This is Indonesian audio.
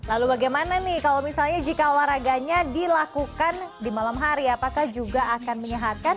lalu bagaimana nih kalau misalnya jika olahraganya dilakukan di malam hari apakah juga akan menyehatkan